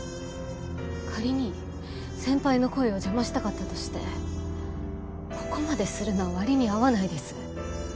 仮に先輩の恋を邪魔したかったとしてここまでするのは割に合わないです。